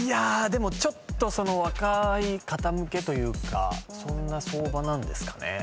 ちょっと若い方向けというかそんな相場なんですかね。